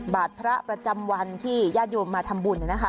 บาทพระประจำวันที่ญาติโยมมาทำบุญ